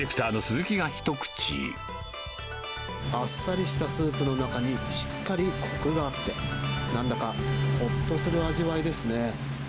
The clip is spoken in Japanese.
あっさりしたスープの中に、しっかりこくがあって、なんだかほっとする味わいですね。